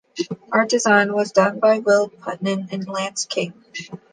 Art design was done by Will Putnam and Lance King.